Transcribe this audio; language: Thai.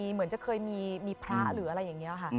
เหมือนจะเคยมีพระหรืออะไรอย่างนี้ค่ะ